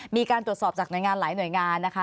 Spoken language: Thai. มีการตรวจสอบจากหน่วยงานหลายหน่วยงานนะคะ